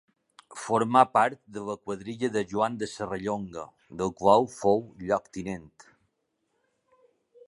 Formà part de la quadrilla de Joan de Serrallonga, del qual fou lloctinent.